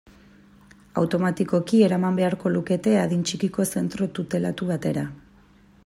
Automatikoki eraman beharko lukete adin txikiko zentro tutelatu batera.